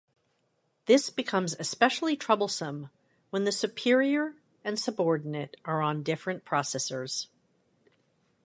This becomes especially troublesome when the superior and subordinate are on different processors.